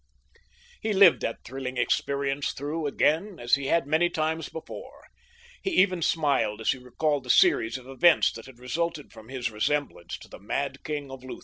He lived that thrilling experience through again as he had many times before. He even smiled as he recalled the series of events that had resulted from his resemblance to the mad king of Lutha.